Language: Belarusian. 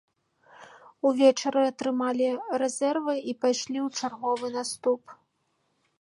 Увечары атрымалі рэзервы і пайшлі ў чарговы наступ.